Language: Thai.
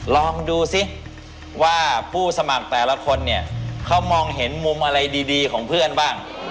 ลองดูซิว่าผู้สมัครแต่ละคนเนี่ยเขามองเห็นมุมอะไรดีของเพื่อนบ้าง